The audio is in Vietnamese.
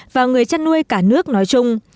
và người chăn nuôi cả nước nói chung